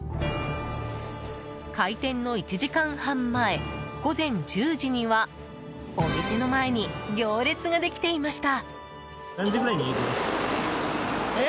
開店の１時間半前午前１０時にはお店の前に行列ができていました。